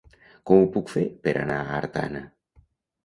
Com ho puc fer per anar a Artana?